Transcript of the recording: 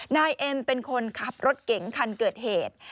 นายเอ็มเป็นคนขับรถเก๋งคันเกิดเหตุ